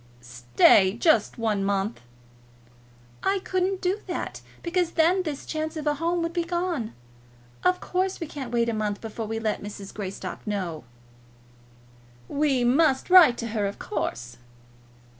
"Stay just one month." "I couldn't do that, because then this chance of a home would be gone. Of course, we can't wait a month before we let Mrs. Greystock know." "We must write to her, of course."